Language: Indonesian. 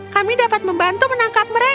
kami dapat membantu menangkap mereka